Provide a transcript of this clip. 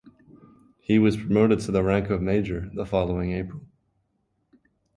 He was promoted to the rank of major the following April.